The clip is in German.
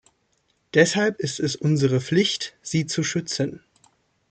Deshalb ist es unsere Pflicht, sie zu schützen.